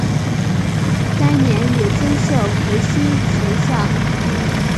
该年也增设魁星神像。